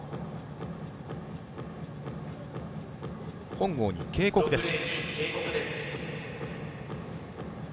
本郷に警告です。